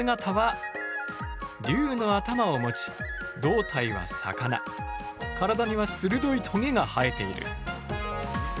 竜の頭を持ち胴体は魚体には鋭いトゲが生えている。